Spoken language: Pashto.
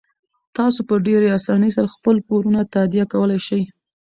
تاسو په ډیرې اسانۍ سره خپل پورونه تادیه کولی شئ.